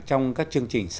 trong các chương trình sau